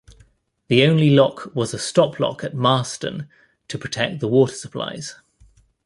The only lock was a stop lock at Marston, to protect the water supplies.